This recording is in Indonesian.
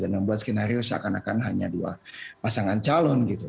dan membuat skenario seakan akan hanya dua pasangan calon gitu